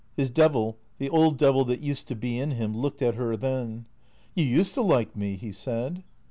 His devil, the old devil that used to be in him, looked at her then. " You used to like me," he said.